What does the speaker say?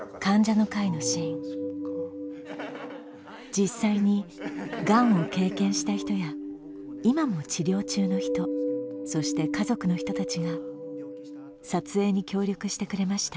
実際にがんを経験した人や今も治療中の人そして家族の人たちが撮影に協力してくれました。